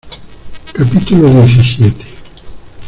capítulo diecisiete.